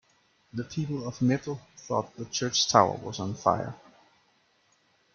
The people of Meppel thought the church tower was on fire.